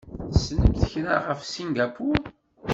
Tessnemt kra ɣef Singapur?